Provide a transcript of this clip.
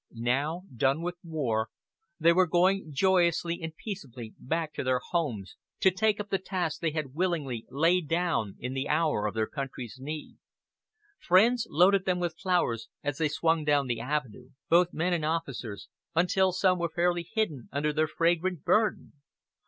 Now, done with war, they were going joyously and peaceably back to their homes to take up the tasks they had willingly laid down in the hour of their country's need. Friends loaded them with flowers as they swung down the Avenue both men and officers, until some were fairly hidden under their fragrant burden.